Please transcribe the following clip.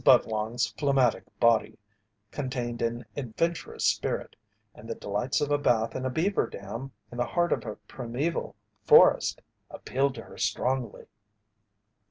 Budlong's phlegmatic body contained an adventurous spirit, and the delights of a bath in a beaver dam in the heart of a primeval forest appealed to her strongly.